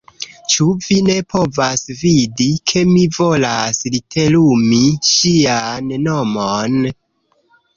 Ĉu vi ne povas vidi, ke mi volas literumi ŝian nomon?